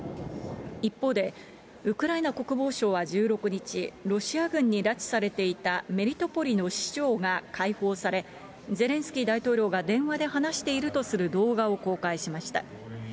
一方で、ウクライナ国防省は１６日、ロシア軍に拉致されていたメリトポリの市長が解放され、ゼレンスキー大統領が電話で話しているとする動画を公開しました。